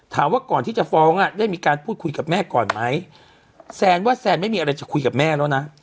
ก่อนที่จะฟ้องอ่ะได้มีการพูดคุยกับแม่ก่อนไหมแซนว่าแซนไม่มีอะไรจะคุยกับแม่แล้วนะ